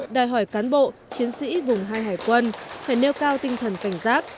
đòi hỏi cán bộ chiến sĩ vùng hai hải quân phải nêu cao tinh thần cảnh giác